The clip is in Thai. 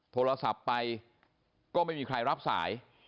โทรศัพท์ไปก็ไม่มีใครรับสาย